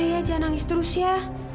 ma ya jangan nangis terus ya